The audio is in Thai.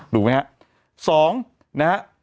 ถูกไหมครับ